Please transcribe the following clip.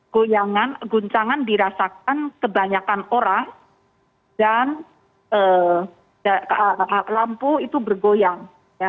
goyangan guncangan dirasakan kebanyakan orang dan lampu itu bergoyang